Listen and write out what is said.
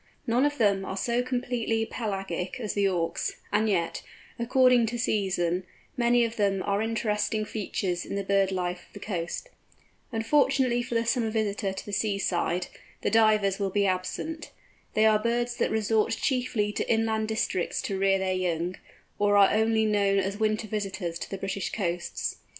None of them are so completely pelagic as the Auks, and yet, according to season, many of them are interesting features in the bird life of the coast. Unfortunately for the summer visitor to the seaside, the Divers will be absent. They are birds that resort chiefly to inland districts to rear their young, or are only known as winter visitors to the British Coasts.